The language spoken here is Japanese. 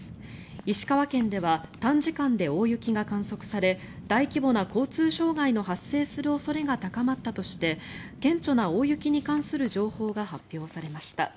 石川県では短時間で大雪が観測され大規模な交通障害の発生する恐れが高まったとして顕著な大雪に関する情報が発表されました。